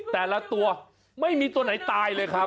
แต่ละตัวไม่มีตัวไหนตายเลยครับ